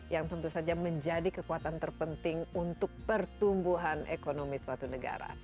yang tentu saja menjadi kekuatan terpenting untuk pertumbuhan ekonomi suatu negara